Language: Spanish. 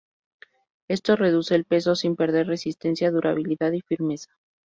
Esto reduce el peso sin perder resistencia, durabilidad y firmeza.